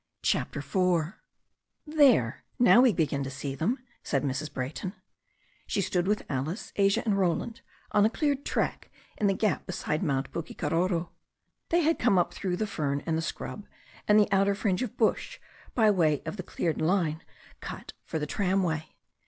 CHAPTER IV THERE, now, we begin to see them," said Mrs. Brayton. She stood with Alice, Asia and Roland on a cleared track in the gap beside Mt. Pukekaroro. They had come up through the fern and the scrub and the outer fringe of bush by way of the cleared line cut for the tramway.